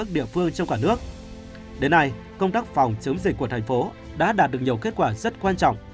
đến nay công tác phòng chống dịch của tp hcm đã đạt được nhiều kết quả rất quan trọng